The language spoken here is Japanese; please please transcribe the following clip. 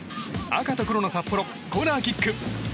赤と黒の札幌コーナーキック。